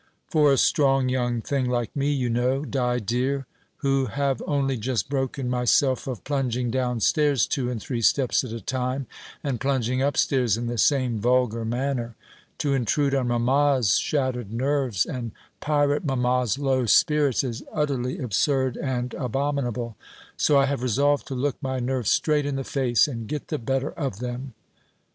For a strong young thing like me, you know, Di dear who have only just broken myself of plunging downstairs two and three steps at a time, and plunging upstairs in the same vulgar manner to intrude on mamma's shattered nerves, and pirate mamma's low spirits, is utterly absurd and abominable; so I have resolved to look my nerves straight in the face, and get the better of them."